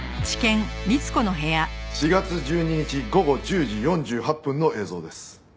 ４月１２日午後１０時４８分の映像です。